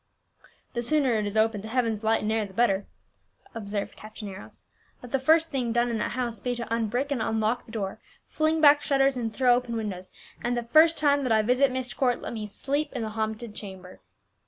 "The sooner it is opened to heaven's light and air the better," observed Captain Arrows. "Let the first thing done in that house be to unbrick and unlock the door, fling back shutters and throw open windows, and the first time that I visit Myst Court let me sleep in the haunted chamber."